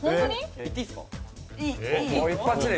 言っていいですか？